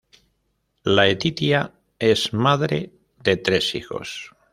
Laetitia es madre de tres hijos.